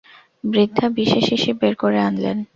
বৃদ্ধা বিষের শিশি বের করে আনলেন।